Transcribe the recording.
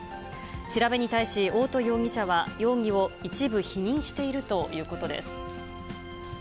調べに対し、大戸容疑者は容疑を一部否認しているということです。